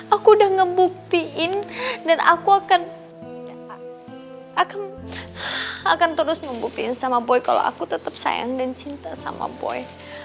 aku udah ngebuktiin dan aku akan aku akan terus membuktiin sama boy kalau aku tetap sayang dan cinta sama boy